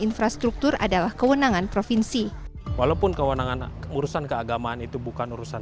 infrastruktur adalah kewenangan provinsi walaupun kewenangan urusan keagamaan itu bukan urusan